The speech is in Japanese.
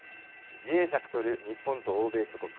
自衛策とる日本と欧米諸国。